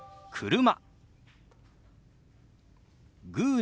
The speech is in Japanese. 「車」。